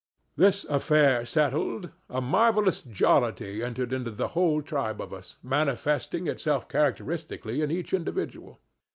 This affair settled, a marvellous jollity entered into the whole tribe of us, manifesting itself characteristically in each individual.